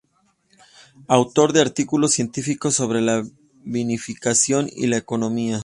Autor de artículos científicos sobre la vinificación y la economía.